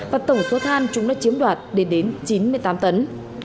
và tổng số than chúng đã chiếm đoạt lên đến chín mươi tám tấn